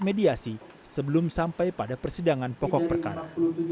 mediasi sebelum sampai pada persidangan pokok perkara